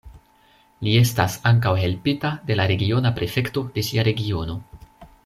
Li estas ankaŭ helpita de la regiona prefekto de sia regiono.